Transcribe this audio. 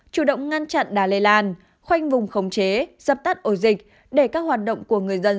chủ động ngăn chặn đá lây lan khoanh vùng khống chế dập tắt ổ dịch để các hoạt động của người dân